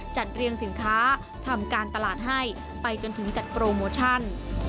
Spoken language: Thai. จัดเรียงสินค้าทำการตลาดให้ไปจนถึงจัดโปรโมชั่น